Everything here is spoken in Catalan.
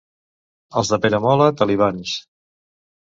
Els de Peramola, talibans.